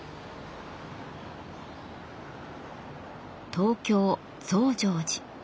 東京増上寺。